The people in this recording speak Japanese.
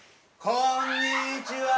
◆こんにちは！。